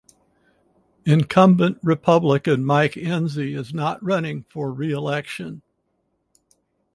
Incumbent Republican Mike Enzi is not running for reelection.